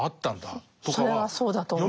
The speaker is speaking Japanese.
それはそうだと思います。